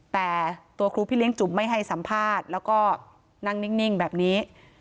แต่ตัวครูพี่เลี้ยจุ๋มไม่ให้สัมภาษณ์แล้วก็นั่งนิ่งแบบนี้